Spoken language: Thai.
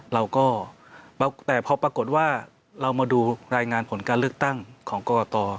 เราก็แต่พอปรากฏว่าเรามาดูรายงานผลการเลือกตั้งของกรกต